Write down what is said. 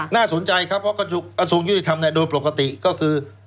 น่าสนใจครับเพราะกระทรวงยุติธรรมโดยปกติก็คือ